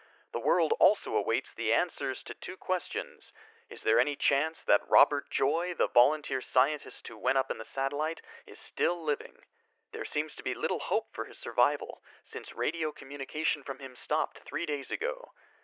The world also awaits the answers to two questions: Is there any chance that Robert Joy, the volunteer scientist who went up in the satellite, is still living? There seems to be little hope for his survival since radio communication from him stopped three days ago.